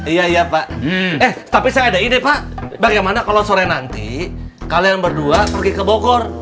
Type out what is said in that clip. iya iya pak eh tapi saya ada ide pak bagaimana kalau sore nanti kalian berdua pergi ke bogor